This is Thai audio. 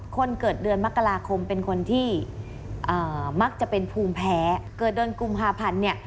คนเกิดเดือนมกราคมเป็นคนที่มักจะเป็นภูมิแพ้เกิดเดือนกุมภาพันธ์เนี่ย